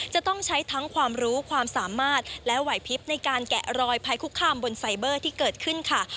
จะต้องใช้ทั้งความรู้ความสามารถและไหวพิษในการแกะรอยภัยคุกคามบนไซเบอร์ที่เกิดขึ้นค่ะ